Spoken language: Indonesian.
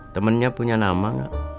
temennya punya nama gak